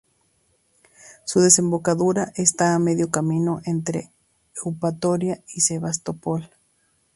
Su desembocadura está a medio camino entre Eupatoria y Sebastopol.